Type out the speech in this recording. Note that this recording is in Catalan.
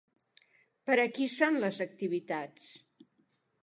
Per a qui són les activitats?